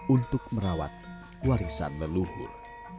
untuk merawat warisan meluhur